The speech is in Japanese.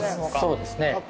そうですね。